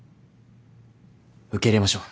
受け入れましょう。